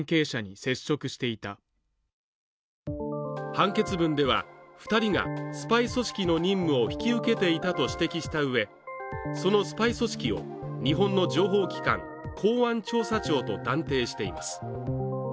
判決文では、２人がスパイ組織の任務を引き受けていたと指摘した上そのスパイ組織を日本の情報機関、公安調査庁と断定しています。